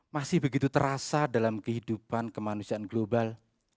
masih begitu terasa dalam kehidupan kemanusiaan global